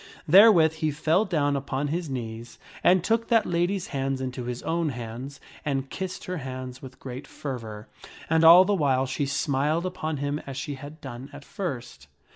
Therewith he fell down upon his knees and took that lady's hands into hir own hands, and kissed her hands with great fervor, and all the while she smiled upon him as she had done at first.